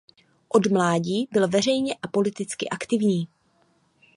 Od mládí byl veřejně a politicky aktivní.